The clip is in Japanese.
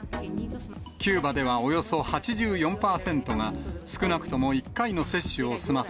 キューバではおよそ８４％が、少なくとも１回の接種を済ませ、